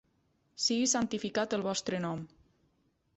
Sigui santificat el vostre nom.